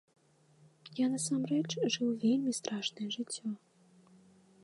Я, насамрэч, жыў вельмі страшнае жыццё.